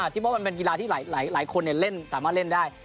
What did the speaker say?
คิดว่ามันเป็นกีฬาที่หลายคนเล่นสามารถเล่นได้